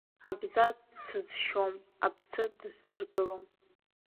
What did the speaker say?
Абза дсызшьуам, аԥсы дысзыргылом.